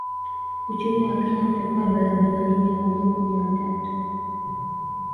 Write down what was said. Uchumi wa Kenya utakuwa dola bilioni mia moja kumi na tatu